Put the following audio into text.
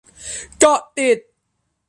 เกาะติด